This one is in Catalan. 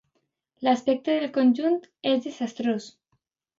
L'aspecte del conjunt és desastrós.